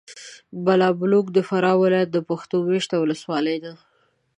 بالابلوک د فراه ولایت پښتون مېشته ولسوالي ده.